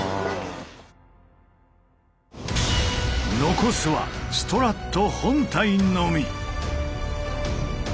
残すはストラット本体のみ。